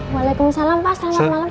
waalaikumsalam pak selamat malam